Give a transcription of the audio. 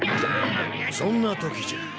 そんなときじゃ。